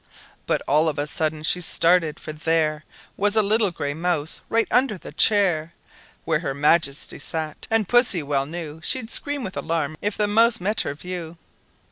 But all of a sudden she started, for there Was a little gray mouse, right under the chair Where her Majesty sat, and Pussy well knew She'd scream with alarm if the mouse met her view.